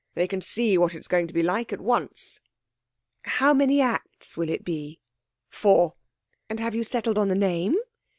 They can see what it's going to be like at once.' 'How many acts will it be?' 'Four.' 'And have you settled on the name?'